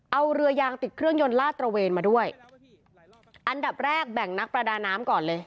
เอาเรือยางติดเครื่องยนต์ลาดตระเวนมาด้วยอันดับแรกแบ่งนักประดาน้ำก่อนเลย